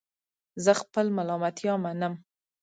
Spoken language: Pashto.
زه خپل ملامتیا منم